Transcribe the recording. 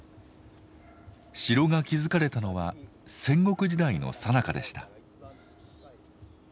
城が築かれたのは戦国時代のさなかでした。